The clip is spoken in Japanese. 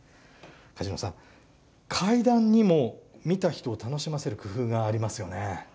梶野さん、階段にも見た人を楽しませる工夫がありますよね。